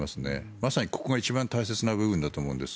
まさにここが一番大切な部分だと思うんです。